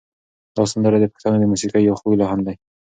دا سندره د پښتنو د موسیقۍ یو خوږ لحن دی.